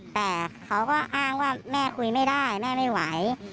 แต่เขาก็อ้างว่าแม่คุยไม่ได้แม่ไม่ไหว